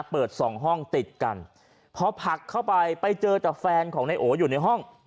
เปิด๒ห้องติดกันเพราะพักเข้าไปเจอแฟนของในโออยู่ในห้อง